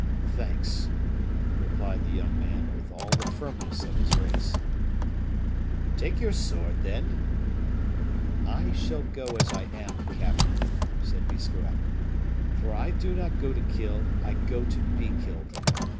"Thanks!" replied the young man, with all the firmness of his race. "Take your sword, then." "I shall go as I am, captain," said Biscarrat, "for I do not go to kill, I go to be killed."